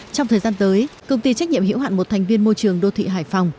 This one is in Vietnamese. trong thời gian tới công ty trách nhiệm hiểu hạn một thành viên môi trường đô thị hải phòng